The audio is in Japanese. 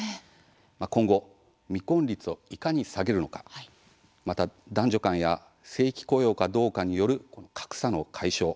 今後、未婚率をいかに下げるのかまた男女間や正規雇用かどうかによる格差の解消